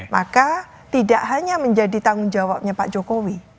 maka tidak hanya menjadi tanggung jawabnya pak jokowi